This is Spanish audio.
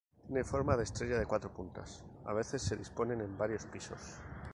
Tiene forma de estrella de cuatro puntas, a veces se disponen en varios pisos.